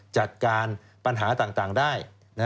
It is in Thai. จัดการปัญหาต่างได้